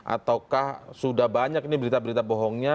ataukah sudah banyak ini berita berita bohongnya